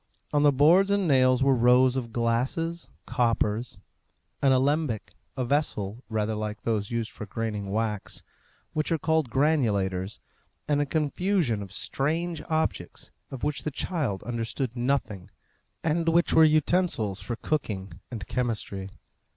On the boards and nails were rows of glasses, coppers, an alembic, a vessel rather like those used for graining wax, which are called granulators, and a confusion of strange objects of which the child understood nothing, and which were utensils for cooking and chemistry.